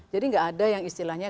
jadi nggak ada yang istilahnya